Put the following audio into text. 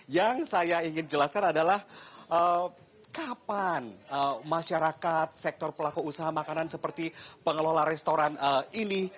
yang saya ingin jelaskan adalah kapan masyarakat sektor pelaku usaha makanan seperti pengelola restoran ini